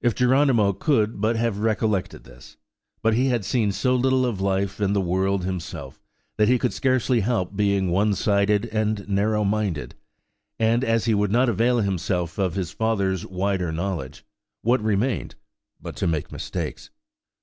If Geronimo could but have recollected this! But he had seen so little of life and the world himself, that he could scarcely help being one sided and narrow minded; and as he would not avail himself of his father's wider knowledge, what remained but to make mistakes?